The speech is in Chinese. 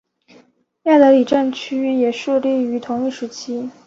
亚德里亚战区也设立于同一时期。